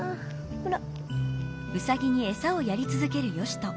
ほら。